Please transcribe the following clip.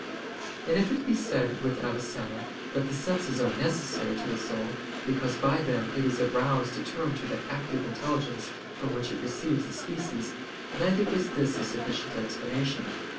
And if it be said with Avicenna, that the senses are necessary to the soul, because by them it is aroused to turn to the "active intelligence" from which it receives the species: neither is this a sufficient explanation.